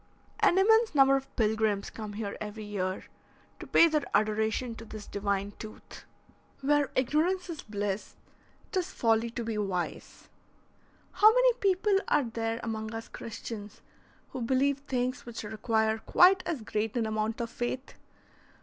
An immense number of pilgrims come here every year to pay their adoration to this divine tooth. "Where ignorance is bliss, 't is folly to be wise." How many people are there among us Christians who believe things which require quite as great an amount of faith?